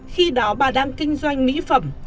khi đó bà đang kinh doanh mỹ phẩm